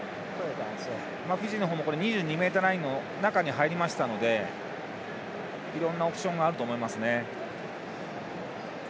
フィジーの方も２２ｍラインの中に入りましたのでいろんなオプションがあると思います。